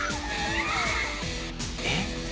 えっ？